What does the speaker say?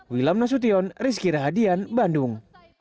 wilam nasution rizky rahadian bandung